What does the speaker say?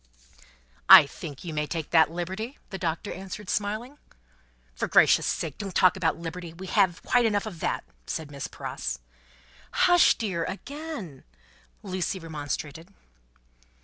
"I think you may take that liberty," the Doctor answered, smiling. "For gracious sake, don't talk about Liberty; we have quite enough of that," said Miss Pross. "Hush, dear! Again?" Lucie remonstrated.